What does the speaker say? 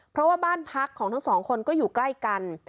เพราะว่าบ้านพักของทั้งสองคนก็อยู่ใกล้กัน